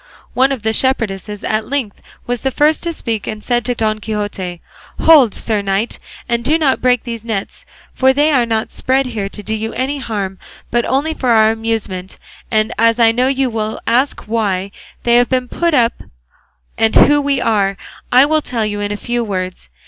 One of the shepherdesses, at length, was the first to speak and said to Don Quixote, "Hold, sir knight, and do not break these nets; for they are not spread here to do you any harm, but only for our amusement; and as I know you will ask why they have been put up, and who we are, I will tell you in a few words.